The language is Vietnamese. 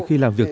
khi làm việc